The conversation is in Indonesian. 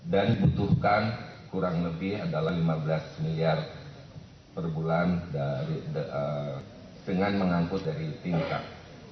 dan dibutuhkan kurang lebih adalah lima belas miliar per bulan dengan mengangkut dari tingkat